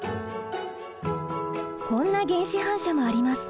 こんな原始反射もあります。